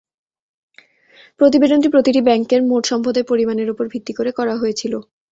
প্রতিবেদনটি প্রতিটি ব্যাংকের মোট সম্পদের পরিমানের উপর ভিত্তি করে করা হয়েছিল।